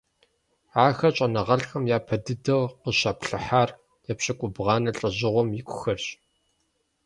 Ахэр щӀэныгъэлӀхэм япэ дыдэу къыщаплъыхьар епщыкӏубгъуанэ лӀэщӀыгъуэм икухэрщ.